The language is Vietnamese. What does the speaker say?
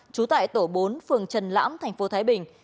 chú tại tổ bốn phường trần lãm tp thái bình